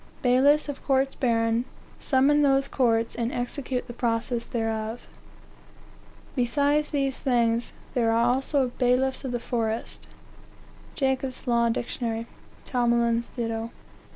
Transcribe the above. "Bailiffs of courts baron summon those courts, and execute the process thereof. " Besides these, there are also bailiffs of the forest... " Jacob's Law Dict. Tomlin's do.